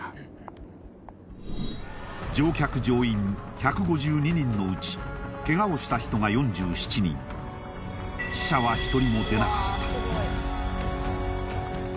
乗客乗員１５２人のうちケガをした人が４７人死者は１人も出なかった